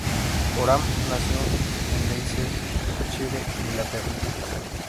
Oram nació en Leicestershire, Inglaterra.